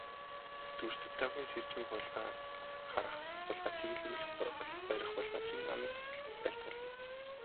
Дүртэд Дагвын сэржмийг хулгайг дарах, хулгайчийг илрүүлэн барих, хулгайчийн амийг таслахад айлтгуулна.